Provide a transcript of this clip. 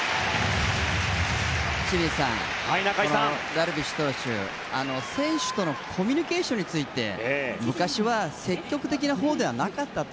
清水さんダルビッシュ投手ですが選手とのコミュニケーションについて昔は積極的なほうではなかったと。